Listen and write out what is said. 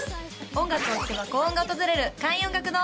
音楽を聴けば幸運が訪れる開運音楽堂